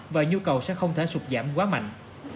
và nhu cầu sẽ không thể sụt giảm quá mạnh